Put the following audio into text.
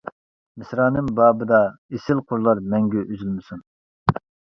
مىسرانىم بابىدا ئېسىل قۇرلار مەڭگۈ ئۈزۈلمىسۇن.